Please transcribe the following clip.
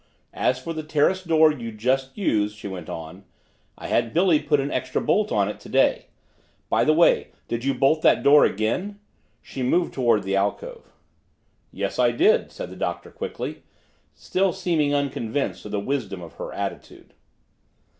"As for the terrace door you just used," she went on, "I had Billy put an extra bolt on it today. By the way, did you bolt that door again?" She moved toward the alcove. "Yes, I did," said the Doctor quickly, still seeming unconvinced of the wisdom of her attitude.